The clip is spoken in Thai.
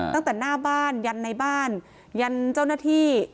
ตั้งแต่หน้าบ้านยันในบ้านยันเจ้าหน้าที่